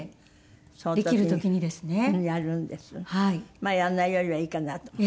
まあやらないよりはいいかなと思って。